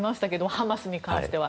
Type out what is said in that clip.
ハマスに関しては。